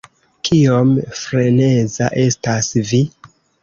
Kiom "freneza" estas vi?